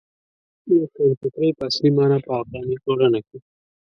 روښانفکرۍ په اصلي مانا په افغاني ټولنه کې.